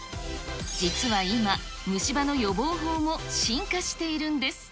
実は今、虫歯の予防法も進化しているんです。